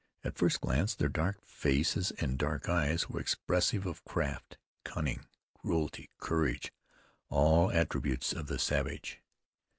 At first glance their dark faces and dark eyes were expressive of craft, cunning, cruelty, courage, all attributes of the savage.